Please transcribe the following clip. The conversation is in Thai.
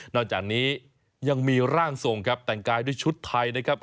จากนี้ยังมีร่างทรงครับแต่งกายด้วยชุดไทยนะครับ